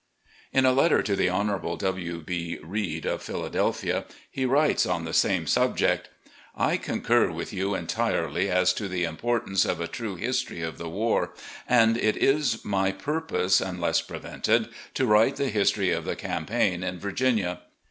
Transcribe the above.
.. In a letter to the Honourable W. B. Reid, of Phila delphia, he writes on the same subjf^t: 218 LEE'S OPINION UPON THE LATE WAR 219 .. I conctir with you entirely as to the im portance of a true history of the war, and it is my purpose, unless prevented, to write the history of the campaigns in Virginia.